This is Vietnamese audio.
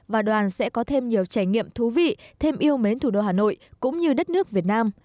và đoàn sẽ có thêm nhiều trải nghiệm thú vị thêm yêu mến thủ đô hà nội cũng như đất nước việt nam